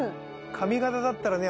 髪形だったらね